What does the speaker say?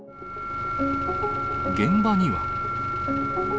現場には。